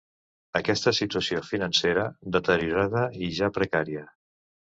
Aquesta situació financera deteriorada i ja precària.